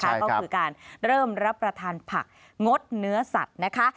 ก็คือการเริ่มรับประทานผักงดเนื้อสัตว์นะคะ